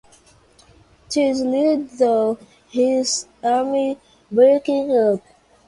This led to his army breaking up.